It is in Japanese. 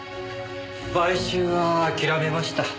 買収は諦めました。